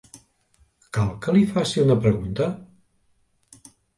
Cal que li faci una pregunta?